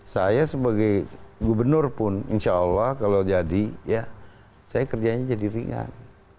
saya sebagai gubernur pun insya allah kalau jadi ya saya kerjanya jadi ringan